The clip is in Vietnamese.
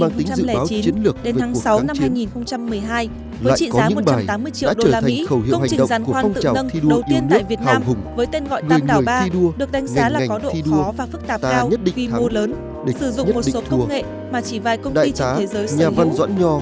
với trị giá một trăm tám mươi triệu đô la mỹ công trình giàn khoan tự nâng đầu tiên tại việt nam với tên gọi tam đảo ba được đánh giá là có độ khó và phức tạp cao vì mô lớn sử dụng một số công nghệ mà chỉ vài công ty trên thế giới sử dụng